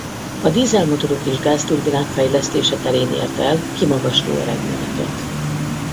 A dízelmotorok és gázturbinák fejlesztése terén ért el kimagasló eredményeket.